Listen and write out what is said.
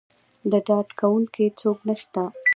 د ډاډکوونکي څوک نه شته.